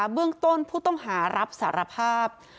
เบื้องต้นผู้ต้องหารับสารภาพ